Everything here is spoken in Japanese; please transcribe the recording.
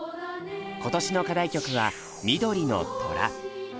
今年の課題曲は「緑の虎」。